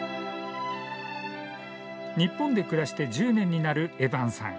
日本で暮らして１０年になるエバンさん。